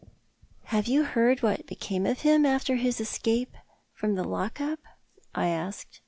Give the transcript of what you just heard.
" Have you heard what became of him after his escape from the lock up? " I asked.